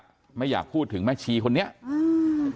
เอาเป็นว่าอ้าวแล้วท่านรู้จักแม่ชีที่ห่มผ้าสีแดงไหม